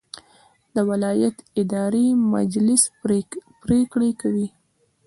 د ولایت اداري مجلس پریکړې کوي